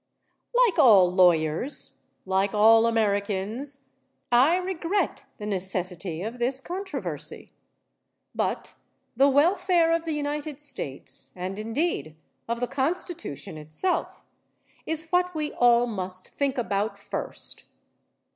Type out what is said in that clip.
Like all lawyers, like all Americans, I regret the necessity of this controversy. But the welfare of the United States, and indeed of the Constitution itself, is what we all must think about first.